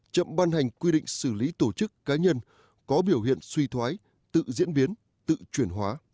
chậm ban hành quy định xử lý tổ chức cá nhân có biểu hiện suy thoái tự diễn biến tự chuyển hóa